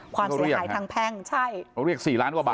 ความเสียหายทางแพ่งใช่เขาเรียก๔ล้านกว่าบาท